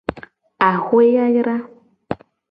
Axwe yayra.